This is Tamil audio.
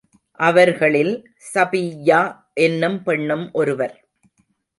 அவர்களில் ஸபிய்யா என்னும் பெண்ணும் ஒருவர்.